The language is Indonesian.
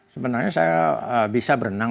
sebenarnya saya bisa berenang